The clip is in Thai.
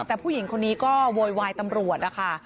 แต่ผู้หญิงคนนี้ก็โวยวายตำรวจนะคะ